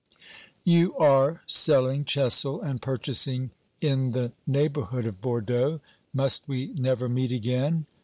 You are selling Chessel and purchasing in the neigh bourhood of Bordeaux. Must we never meet again?